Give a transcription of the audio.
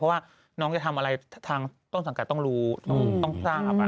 เพราะว่าน้องจะทำอะไรทางต้นสังกัดต้องรู้ต้องทราบ